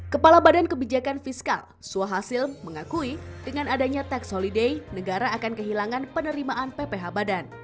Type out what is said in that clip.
kepala badan kebijakan fiskal suhasil mengakui dengan adanya tax holiday negara akan kehilangan penerimaan pph badan